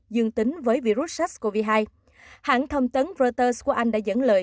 dương tính với virus sars cov hai hãng thông tấn reuters của anh đã dẫn lời